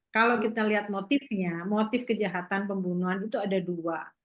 kalau kita lihat motifnya motif kejahatan pembunuhan itu ada dua